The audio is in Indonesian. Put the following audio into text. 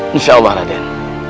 insya allah raden